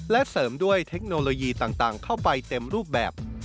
และเสริมด้วยเทคโนโลยีต่างเข้าไปเต็มรูปแบบ